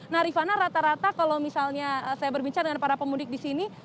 nah rifana rata rata kalau misalnya saya berbincang dengan para pemudik di sini